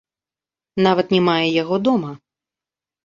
Нават не мае яго дома.